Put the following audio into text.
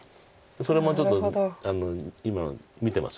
それもちょっと今見てます